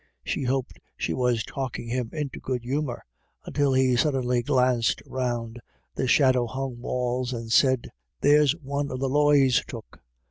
She hoped she was talking him into good humour, until he suddenly glanced round the shadow hung walls and said :" There's one of the loys took.